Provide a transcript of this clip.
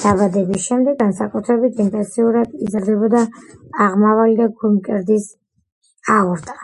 დაბადების შემდეგ განსაკუთრებით ინტენსიურად იზრდება აღმავალი და გულმკერდის აორტა.